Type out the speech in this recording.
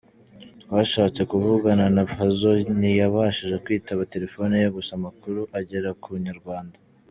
Twashatse kuvugana na Fazzo ntiyabasha kwitaba telephone ye gusa amakuru agera ku inyarwanda.